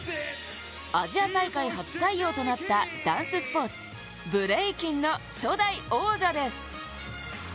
アジア大会初採用となったダンススポーツブレイキンの初代王者です。